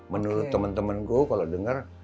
menurut temen temenku kalau denger